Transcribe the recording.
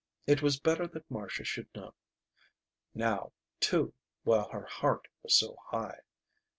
It was better that Marcia should know. Now, too, while her heart was so high.